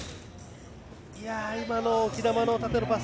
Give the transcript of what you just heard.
今の浮き球の縦へのパス